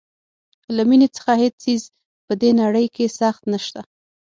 له مینې څخه هیڅ څیز په دې نړۍ کې سخت نشته.